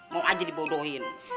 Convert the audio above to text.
mau aja dibodohin